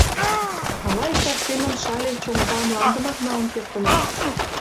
— Ала иктаж семын Шале чоҥга мландымак налын кертына.